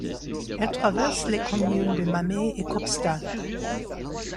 Elle traverse les communes de Mamer et Kopstal.